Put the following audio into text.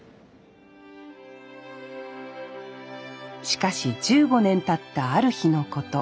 しかし１５年たったある日のこと。